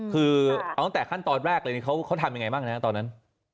คือตั้งแต่ขั้นตอนแรกเขาทำอย่างไรบ้างนะตอนนั้น